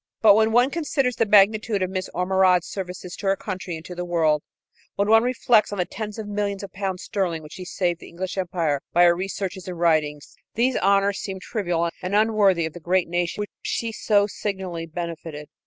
But when one considers the magnitude of Miss Ormerod's services to her country and to the world, when one reflects on the tens of millions of pounds sterling which she saved to the British Empire by her researches and writings, these honors seem trivial and unworthy of the great nation which she so signally benefited.